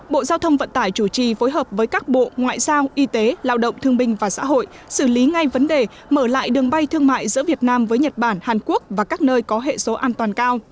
bộ giao thông vận tải chủ trì phối hợp với các bộ ngoại giao y tế lao động thương binh và xã hội xử lý ngay vấn đề mở lại đường bay thương mại giữa việt nam với nhật bản hàn quốc và các nơi có hệ số an toàn cao